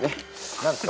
何ですか？